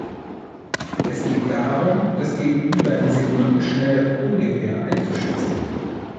Es geht darum, das Gegenüber in Sekundenschnelle ungefähr einzuschätzen.